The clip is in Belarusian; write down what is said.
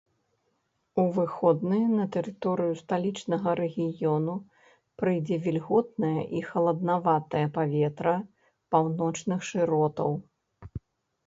У выходныя на тэрыторыю сталічнага рэгіёну прыйдзе вільготнае і халаднаватае паветра паўночных шыротаў.